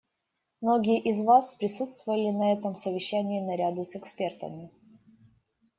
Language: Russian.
Многие из вас присутствовали на этом совещании наряду с экспертами.